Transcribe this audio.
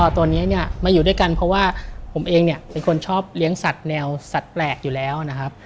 ตัวนี้มาอยู่ด้วยกันเพราะว่าผมเองเป็นคนชอบเลี้ยงสัตว์แนวสัตว์แปลกอยู่แล้ว